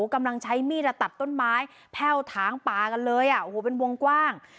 กำลังใช้มีดตัดต้นไม้แพ่วถางป่ากันเลยอ่ะโอ้โหเป็นวงกว้าง